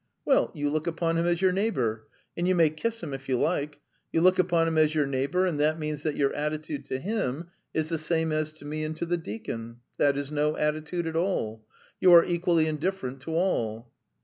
Well, you look upon him as your neighbour and you may kiss him if you like: you look upon him as your neighbour, and that means that your attitude to him is the same as to me and to the deacon; that is no attitude at all. You are equally indifferent to all."